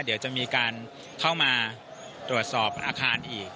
เดี๋ยวจะมีการเข้ามาตรวจสอบอาคารอีก